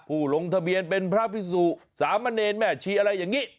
ลงทะเบียนเป็นพระพิสุสามเณรแม่ชีอะไรอย่างนี้